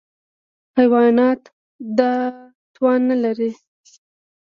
حیوانات دا توان نهلري.